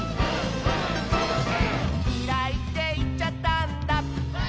「きらいっていっちゃったんだ」